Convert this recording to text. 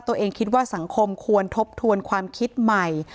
ตัวเองคิดว่าสังคมควรทบทวนความคิดใหม่